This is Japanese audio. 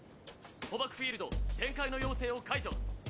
捕縛フィールド展開の要請を解除。